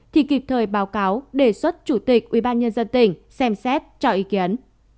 thì kịp thời báo cáo đề xuất chủ tịch ubnd tỉnh xem xét cho ý kiến